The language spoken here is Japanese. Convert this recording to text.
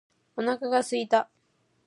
お腹が空いた。